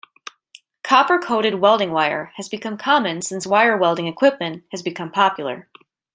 Copper coated welding wire has become common since wire welding equipment has become popular.